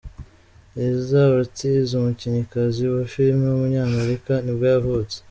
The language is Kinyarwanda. Lisa Ortiz, umukinnyikazi wa filime w’umunyamerika nibwo yavutse.